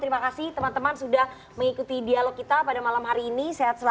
terima kasih teman teman sudah mengikuti dialog kita pada malam hari ini